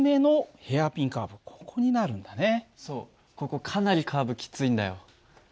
ここかなりカーブきついんだよ。